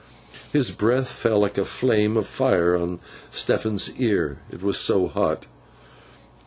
His breath fell like a flame of fire on Stephen's ear, it was so hot.